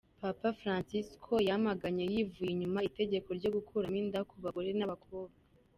Papa Fransisco yamaganye yivuye inyuma itegeko ryo gukuramo inda ku bagore n’abakobwa.